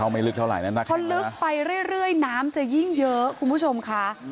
พอลึกไปเรื่อยน้ำจะยิ่งเยอะคุณผู้ชมค่ะ